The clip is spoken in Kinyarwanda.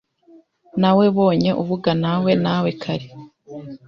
Nawebonye uvuganawe nawe kare.